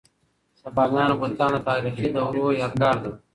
د بامیانو بتان د تاریخي دورو یادګار دی.